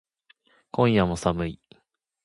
今夜も寒い